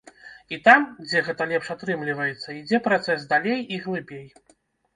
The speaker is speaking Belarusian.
І там, дзе гэта лепш атрымліваецца, ідзе працэс далей і глыбей.